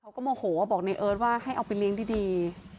เขาก็โมโหบอกในเอิ้ตว่าให้เอาไปเลี้ยงดี